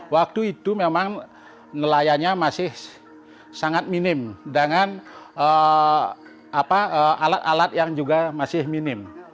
waktu itu memang nelayannya masih sangat minim dengan alat alat yang juga masih minim